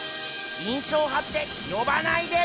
印象派って呼ばないで！